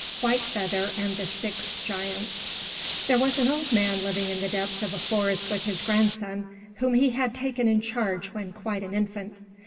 WHITE FEATHER AND THE SIX GIANTS |THERE was an old man living in the depth of a forest with his grandson, whom he had taken in charge when quite an infant.